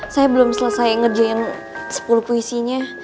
saya belum selesai ngerjain sepuluh puisinya